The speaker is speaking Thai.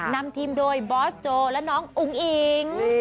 นำทีมโดยบอสโจและน้องอุ๋งอิ๋ง